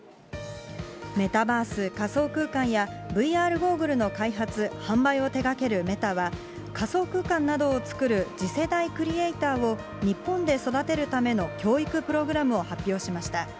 メタバース・仮想空間や、ＶＲゴーグルの開発・販売を手がけるメタは、仮想空間などを作る次世代クリエーターを日本で育てるための教育プログラムを発表しました。